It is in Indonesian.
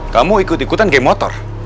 kamu ikut ikutan geng motor